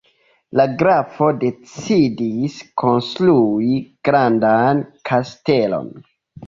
La grafo decidis konstrui grandan kastelon.